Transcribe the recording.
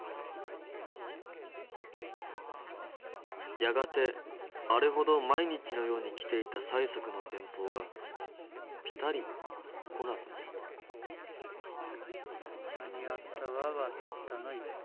やがてあれほど毎日のように来ていた催促の電報がピタリと来なくなった間に合ったががたったの一本。